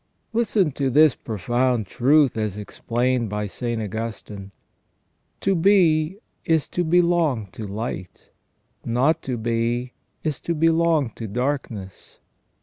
Listen to this profound truth as explained by St. Augustine :" To be is to belong to light ; not to be is to belong to darkness.